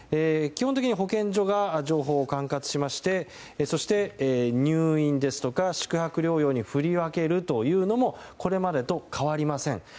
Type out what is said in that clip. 基本的に保健所が情報を管轄しましてそして、入院ですとか宿泊療養に振り分けるというのもこれまでと変わりません。